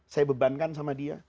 saya bebankan sama dia